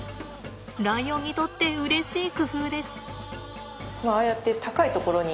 ライオンにとってうれしい工夫です。